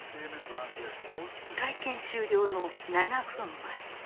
会見終了の７分前